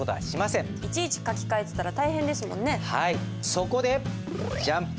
そこでジャン。